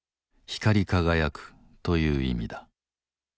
「光り輝く」という意味だ。